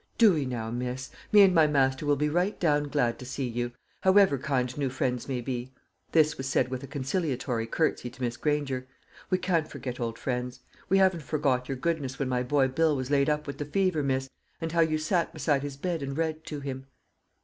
"Do'ee, now, miss; me and my master will be right down glad to see you. However kind new friends may be," this was said with a conciliatory curtsey to Miss Granger, "we can't forget old friends. We haven't forgot your goodness when my boy Bill was laid up with the fever, miss, and how you sat beside his bed and read to him."